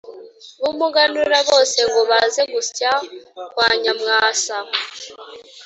b’umuganura bose ngo baze gusya kwa Nyamwasa